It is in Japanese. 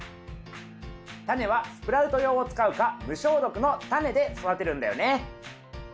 タネはスプラウト用を使うか無消毒のタネで育てるんだよね。